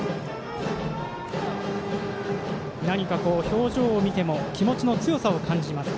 表情を見ても気持ちの強さを感じます。